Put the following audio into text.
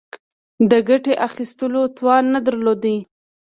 د ګټې اخیستلو توان نه درلود.